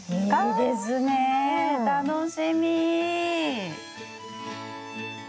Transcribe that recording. いいですね楽しみ。